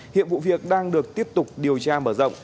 hiện vụ việc đang được tiếp tục điều tra mở rộng